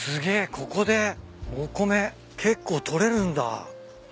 ここでお米結構とれるんだ。